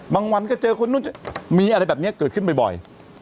วันก็เจอคนนู้นมีอะไรแบบนี้เกิดขึ้นบ่อย